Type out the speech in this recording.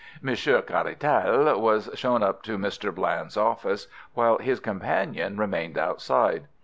Monsieur Caratal was shown up to Mr. Bland's office, while his companion remained outside.